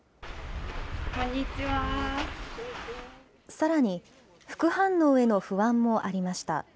さらに、副反応への不安もありました。